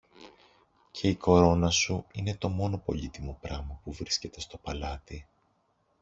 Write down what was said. και η κορώνα σου είναι το μόνο πολύτιμο πράμα που βρίσκεται στο παλάτι.